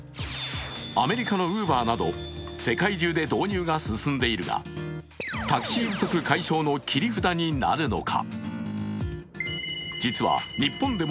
アメリカのＵｂｅｒなど世界中で導入が進んでいるが、タクシー不足解消の切り札になるのか。